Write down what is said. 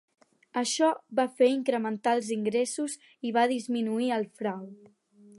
Això va fer incrementar els ingressos i va disminuir el frau.